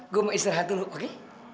gue mau istirahat dulu oke